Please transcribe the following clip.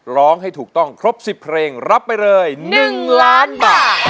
ร้องให้ถูกต้องครบ๑๐เพลงรับไปเลย๑ล้านบาท